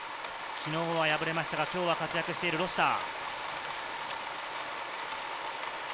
昨日は敗れましたが、今日は活躍しているロシター。